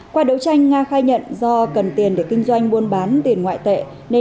qua đấu tranh nga khai nhận do cần tiền để kinh doanh buôn bán tiền ngoại tệ nên đã tự nghĩ ra dự án an sinh xã hội